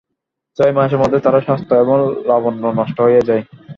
ছয় মাসের মধ্যেই তাঁর স্বাস্থ্য এবং লাবণ্য নষ্ট হইয়া যায়।